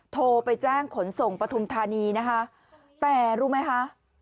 โทรไปแจ้งขนส่งปฐุมธานีนะคะแต่รู้ไหมคะ